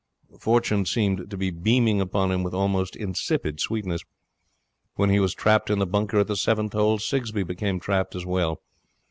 Fortune seemed to be beaming upon him with almost insipid sweetness. When he was trapped in the bunker at the seventh hole, Sigsbee became trapped as well.